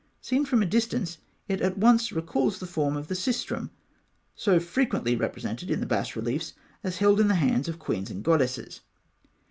Seen from a distance, it at once recalls the form of the sistrum, so frequently represented in the bas reliefs as held in the hands of queens and goddesses.